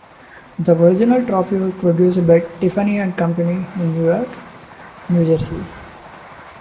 The original trophy was produced by Tiffany and Company in Newark, New Jersey.